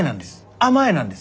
甘えなんです。